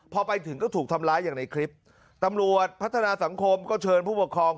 พอไปถึงก็ถูกทำร้ายอย่างในคลิปตำรวจพัฒนาสังคมก็เชิญผู้ปกครอง